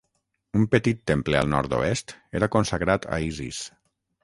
Un petit temple al nord-oest era consagrat a Isis.